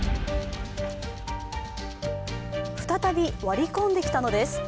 再び割り込んできたのです。